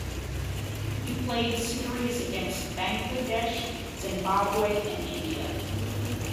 He played series against Bangladesh, Zimbabwe and India.